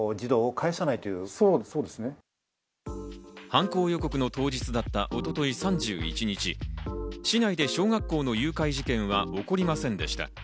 犯行予告の当日だった一昨日３１日、市内で小学校の誘拐事件は起こりませんでした。